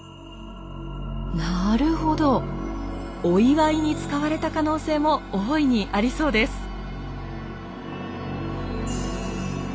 お祝いに使われた可能性も大いにありそうです。